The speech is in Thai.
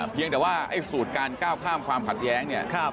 เพียงแต่ว่าสูตรการ๙ข้ามความขัดแย้ง